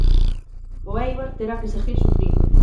O Éibar terá que seguir sufrindo.